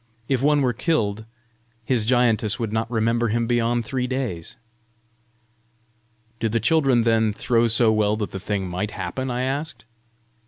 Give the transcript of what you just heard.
If one were killed, his giantess would not remember him beyond three days!" "Do the children then throw so well that the thing MIGHT happen?" I asked.